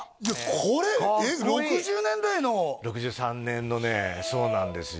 これえっ６０年代の６３年のねそうなんですよ